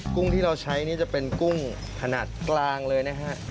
กุ้งที่เราใช้นี่จะเป็นกุ้งขนาดกลางเลยนะฮะ